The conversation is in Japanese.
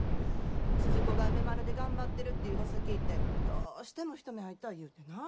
スズ子が梅丸で頑張ってるってうわさ聞いてどうしても一目会いたい言うてな。